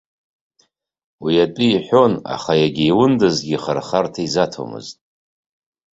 Уи атәы иҳәон, аха егьа иундазгьы хырхарҭа изаҭомызт.